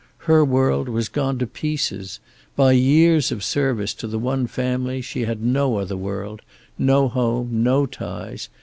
Her world was gone to pieces. By years of service to the one family she had no other world, no home, no ties.